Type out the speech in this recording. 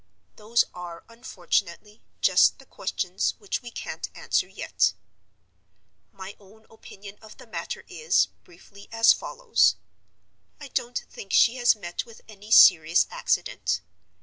Those are, unfortunately, just the questions which we can't answer yet. "My own opinion of the matter is, briefly, as follows: I don't think she has met with any serious accident.